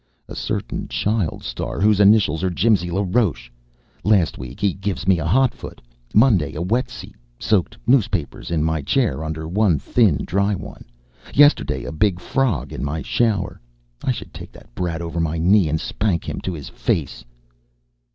"A certain child star whose initials are Jimsy LaRoche! Last week he gives me a hotfoot. Monday a wet seat soaked newspapers in my chair under one thin dry one. Yesterday a big frog in my shower. I should take that brat over my knee and spank him to his face!"